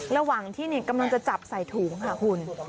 ระหว่างที่กำลังจะจับใส่ถุงค่ะคุณ